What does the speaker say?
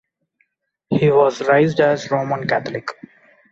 He was raised as Roman Catholic.